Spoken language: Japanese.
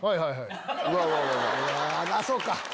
あっそうか！